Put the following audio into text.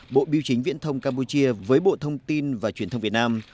bộ biêu chính viễn thông campuchia với bộ thông tin và truyền thông việt nam